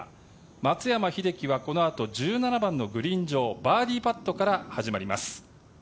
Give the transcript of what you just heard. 松山英樹はこのあと１７番のグリーン上バーディーパットから始まります。